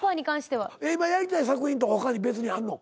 今やりたい作品とか別にあんの？